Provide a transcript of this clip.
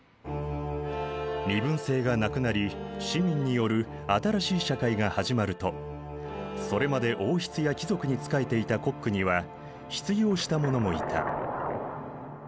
身分制がなくなり市民による新しい社会が始まるとそれまで王室や貴族に仕えていたコックには失業した者もいた。